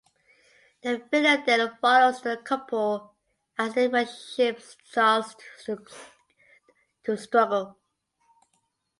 The video then follows the couple as their relationship starts to struggle.